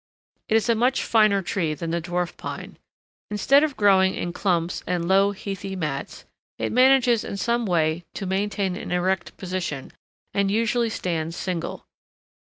It is a much finer tree than the Dwarf Pine. Instead of growing in clumps and low, heathy mats, it manages in some way to maintain an erect position, and usually stands single.